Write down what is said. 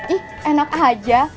ih enak aja